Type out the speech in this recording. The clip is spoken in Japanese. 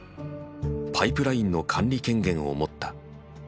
パイプラインの管理権限を持った。